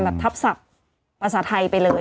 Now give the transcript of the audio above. แบบทับสักฯภาษาไทยไปเลย